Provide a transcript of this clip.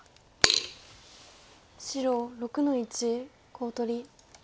白６の一コウ取り。